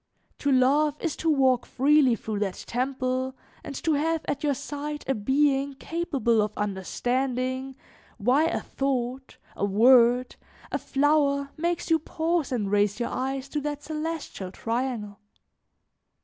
To love is to walk freely through that temple and to have at your side a being capable of understanding why a thought, a word, a flower makes you pause and raise your eyes to that celestial triangle.